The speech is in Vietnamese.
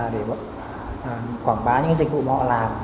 để quảng bá những dịch vụ mà họ làm